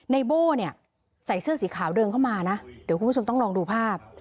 ในโบ้เนี่ยใส่เสื้อสีขาวเดินเข้ามานะเดี๋ยวคุณผู้ชมต้องลองดูภาพ